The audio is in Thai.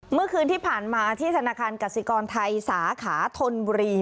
เมื่อคืนที่ผ่านมาที่ธนาคารกสิกรไทยสาขาธนบุรี